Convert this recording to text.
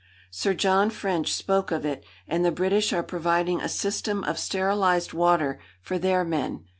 Sir John French spoke of it, and the British are providing a system of sterilised water for their men.